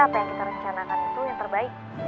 apa yang kita rencanakan itu yang terbaik